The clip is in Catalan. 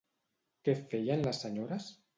Què feien les senyores?